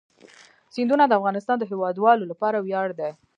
سیندونه د افغانستان د هیوادوالو لپاره ویاړ دی.